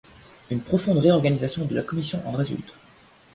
Une profonde réorganisation de la Commission en résulte.